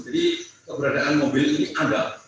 jadi keberadaan mobil ini ada